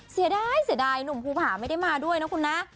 เสียดายเสียดายหนุ่มภูผาไม่ได้มาด้วยนะคุณนะ